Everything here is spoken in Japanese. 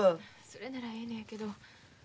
それならええのやけど。